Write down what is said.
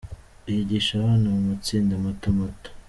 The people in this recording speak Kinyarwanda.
Yigisha abana mu matsinda mato mato.